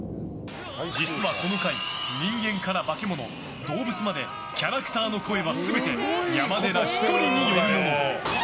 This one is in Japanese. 実は、この回人間から化け物、動物までキャラクターの声は全て山寺１人によるもの。